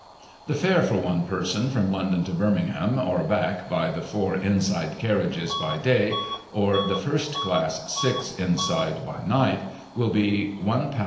" The fare for one person from London to Birmingham, or back, by the * four inside ' carriages, by day, or the first class, ' six inside ' by night, will be £\ 12s.